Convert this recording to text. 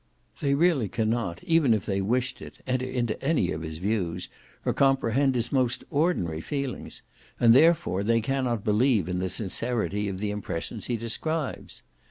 They really cannot, even if they wished it, enter into any of his views, or comprehend his most ordinary feelings; and, therefore, they cannot believe in the sincerity of the impressions he describes.